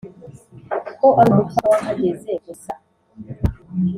ko ari umupfapfa wahageze gusa